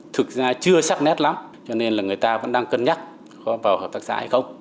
thực ra chưa sắc nét lắm cho nên là người ta vẫn đang cân nhắc có vào hợp tác xã hay không